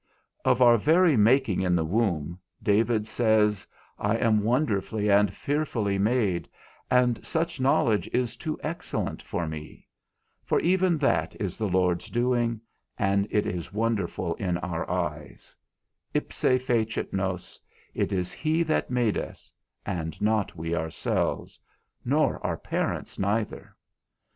Of our very making in the womb, David says, I am wonderfully and fearfully made, and such knowledge is too excellent for me, for even that is the Lord's doing, and it is wonderful in our eyes; ipse fecit nos, it is he that made us, and not we ourselves, nor our parents neither.